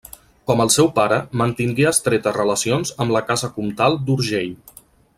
Com el seu pare, mantingué estretes relacions amb la casa comtal d'Urgell.